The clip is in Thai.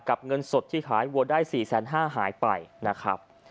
กับเงินสดที่ขายโว้นได้๔๕๐๐บาทหายไปนะครับ